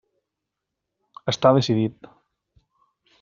Està decidit.